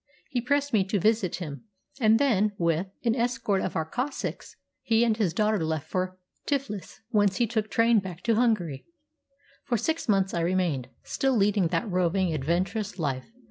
He pressed me to visit him; and then, with an escort of our Cossacks, he and his daughter left for Tiflis; whence he took train back to Hungary. "For six months I remained, still leading that roving, adventurous life.